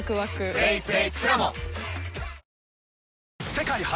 世界初！